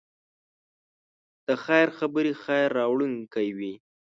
د خیر خبرې خیر راوړونکی وي.